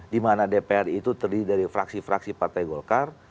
dimana dpr itu terdiri dari fraksi fraksi partai golkar